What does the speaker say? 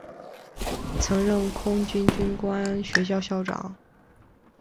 曾任空军军官学校校长。